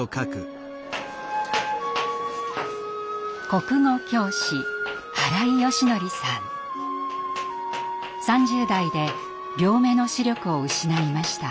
国語教師３０代で両目の視力を失いました。